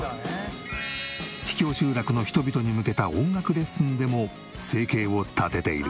秘境集落の人々に向けた音楽レッスンでも生計を立てている。